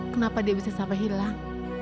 kenapa dia bisa sampai hilang